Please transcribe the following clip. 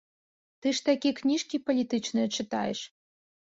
Ты ж такі кніжкі палітычныя чытаеш.